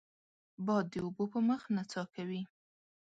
باد د اوبو په مخ نڅا کوي